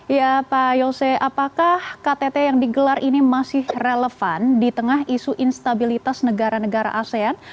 ya pak yose apakah ktt yang digelar ini masih relevan di tengah isu instabilitas negara negara asean